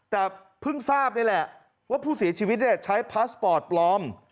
แต่เพิ่งทราบนี่แหละว่าผู้เสียชีวิตใช้พาสปอร์ตปลอม